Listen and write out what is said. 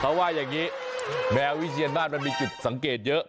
เขาว่าอย่างนี้แมววิเชียนบ้านมันมีจุดสังเกตเยอะ